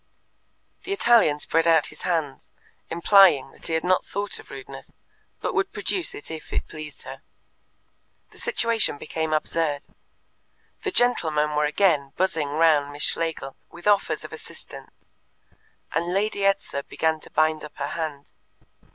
The Italian spread out his hands, implying that he had not thought of rudeness, but would produce it if it pleased her. The situation became absurd. The gentlemen were again buzzing round Miss Schlegel with offers of assistance, and Lady Edser began to bind up her hand.